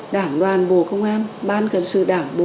đo độ cồn là thứ nhất